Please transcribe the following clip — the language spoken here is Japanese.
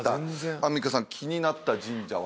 アンミカさん気になった神社はございますか？